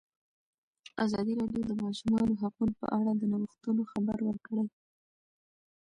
ازادي راډیو د د ماشومانو حقونه په اړه د نوښتونو خبر ورکړی.